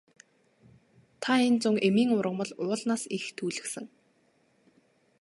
Та энэ зун эмийн ургамал уулнаас их түүлгэсэн.